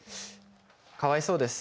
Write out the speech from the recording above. かわいそうです。